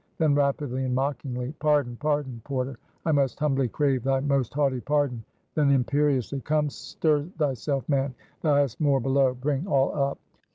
Then rapidly and mockingly "Pardon, pardon! porter; I most humbly crave thy most haughty pardon." Then imperiously "Come, stir thyself, man; thou hast more below: bring all up."